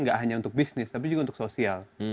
tidak hanya untuk bisnis tapi juga untuk sosial